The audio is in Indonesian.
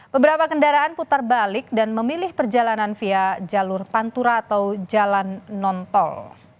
beberapa kendaraan putar balik dan memilih perjalanan via jalur pantura atau jalan non tol